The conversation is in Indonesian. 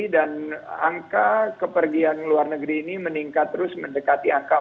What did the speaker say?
dan angka kepergian luar negeri ini meningkat terus mendekati angka empat